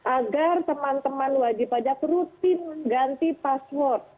agar teman teman wajib pajak rutin ganti password